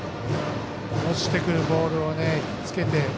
落ちてくるボールを引き付けて。